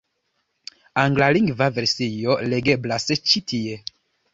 Anglalingva versio legeblas ĉi tie.